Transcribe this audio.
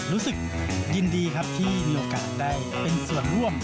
รู้สึกยินดีครับที่มีโอกาสได้เป็นส่วนร่วม